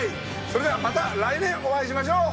それではまた来年お会いしましょう！